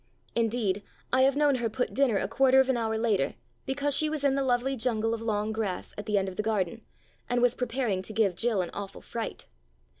Indeed, I have known her put dinner a quarter of an hour later, because she was in the lovely jungle of long grass at the end of the garden, and was preparing to give Jill an awful fright.